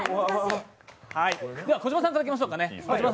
小島さんからいきましょうかね。